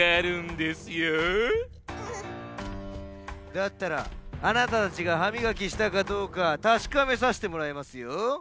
だったらあなたたちがはみがきしたかどうかたしかめさしてもらいますよ。